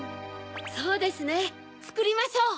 そうですねつくりましょう。